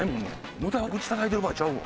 無駄口たたいてる場合ちゃうわ。